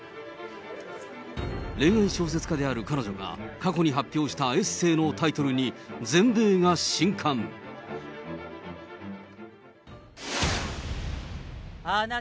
恋愛小説家である彼女が過去に発表したエッセーのタイトルに、全米が震かん。